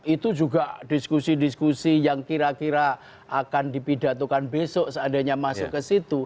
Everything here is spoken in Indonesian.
itu juga diskusi diskusi yang kira kira akan dipidatukan besok seandainya masuk ke situ